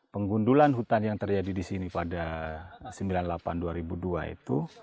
penggundulan hutan yang terjadi di sini pada seribu sembilan ratus sembilan puluh delapan dua ribu dua itu